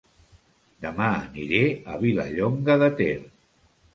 Dema aniré a Vilallonga de Ter